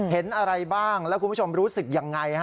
เห็นอะไรบ้างแล้วคุณผู้ชมรู้สึกยังไงฮะ